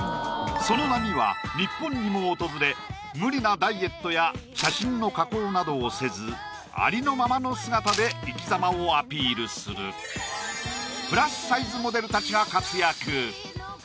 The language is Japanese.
その波は日本にも訪れ無理なダイエットや写真の加工などをせずありのままの姿で生き様をアピールするプラスサイズモデルたちが活躍